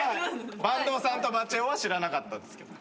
バンドウさんとバチェ男は知らなかったんですけど。